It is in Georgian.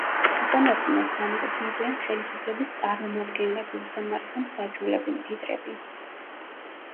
უკანასკნელს განეკუთვნებიან ხელისუფლების წარმომადგენლები, უსამართლო მსაჯულები, მდიდრები.